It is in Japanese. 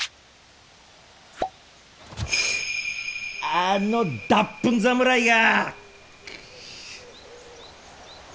あの脱糞侍が！